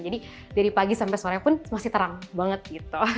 jadi dari pagi sampai sore pun masih terang banget gitu